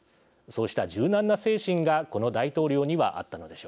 そうした柔軟な精神がこの大統領にはあったのでしょう。